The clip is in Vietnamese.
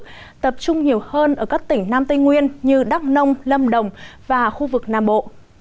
nhiệt trung nhiều hơn ở các tỉnh nam tây nguyên như đắk nông lâm đồng và khu vực nam bộ